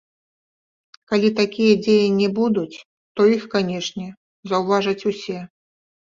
Калі такія дзеянні будуць, то іх, канечне, заўважаць усе.